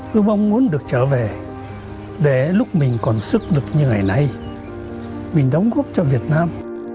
tôi mong muốn được trở về để lúc mình còn sức lực như ngày nay mình đóng góp cho việt nam